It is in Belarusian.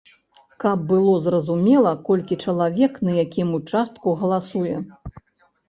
Каб было зразумела, колькі чалавек на якім участку галасуе.